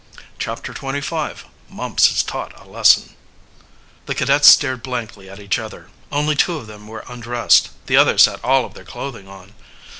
CHAPTER XXV MUMPS IS TAUGHT A LESSON The cadets stared blankly at each other. Only two of them were undressed; the others had all of their clothing on.